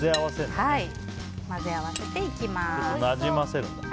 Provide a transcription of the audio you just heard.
混ぜ合わせていきます。